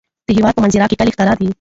د هېواد په منظره کې کلي ښکاره دي.